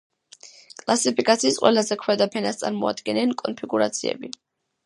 კლასიფიკაციის ყველაზე ქვედა ფენას წარმოადგენენ კონფიგურაციები.